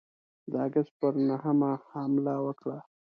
د آګسټ پر نهمه حمله وکړه.